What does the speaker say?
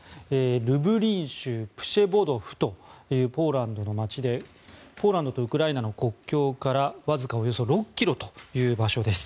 ルブリン州プシェボドフというポーランドの街でポーランドとウクライナの国境からわずかおよそ６ｋｍという場所です。